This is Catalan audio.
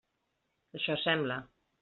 Això sembla.